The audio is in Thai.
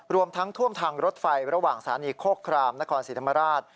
รวมทั้งท่วมทางรถไฟระหว่างสถานีโคครามนครศรีธรรมราช